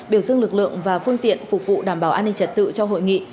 biểu dương lực lượng và phương tiện phục vụ đảm bảo an ninh trật tự cho hội nghị